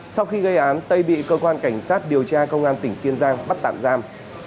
sau khi gây án tây bị cơ quan cảnh sát điều tra công an tỉnh kiên giang bắt tạm giam